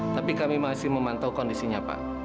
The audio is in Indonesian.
tapi kami masih memantau kondisinya pak